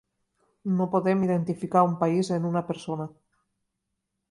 No podem identificar un país en una persona.